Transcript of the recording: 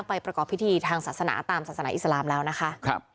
ประกอบพิธีทางศาสนาตามศาสนาอิสลามแล้วนะคะ